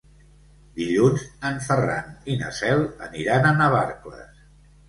Dilluns en Ferran i na Cel aniran a Navarcles.